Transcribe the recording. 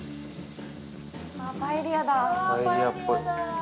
わあ、パエリアだ。